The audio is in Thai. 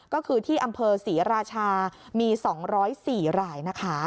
ก็คือที่อำเภอศรีราชามี๒๐๔รายนะคะ